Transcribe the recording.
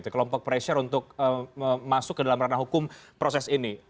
kelompok pressure untuk masuk ke dalam ranah hukum proses ini